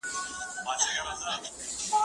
زه هره ورځ د زده کړو تمرين کوم!.